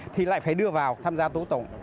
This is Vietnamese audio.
thì lại phải đưa vào tham gia tổ tụng